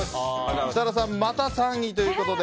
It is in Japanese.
設楽さん、また３位ということで。